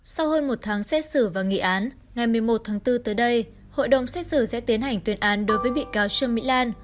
sau hơn một tháng xét xử và nghị án ngày một mươi một tháng bốn tới đây hội đồng xét xử sẽ tiến hành tuyên án đối với bị cáo trương mỹ lan